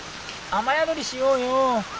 雨宿りしようよ」。